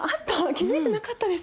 気付いてなかったです私。